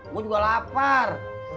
gue juga lapar